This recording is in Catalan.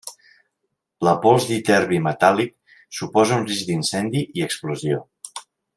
La pols d'iterbi metàl·lic suposa un risc d'incendi i explosió.